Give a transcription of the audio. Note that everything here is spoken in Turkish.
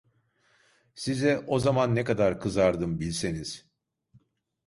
Size, o zaman ne kadar kızardım bilseniz!